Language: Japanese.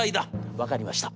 『分かりました。